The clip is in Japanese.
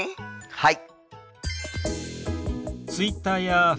はい。